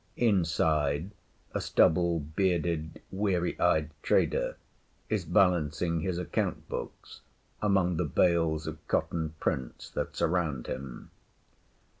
Inside, a stubble bearded, weary eyed trader is balancing his account books among the bales of cotton prints that surround him.